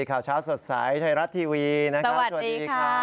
ข่าวเช้าสดใสไทยรัฐทีวีนะครับสวัสดีค่ะ